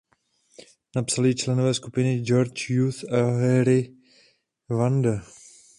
Napsali ji členové skupiny George Young a Harry Vanda.